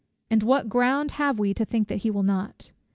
And what ground have we to think he will not?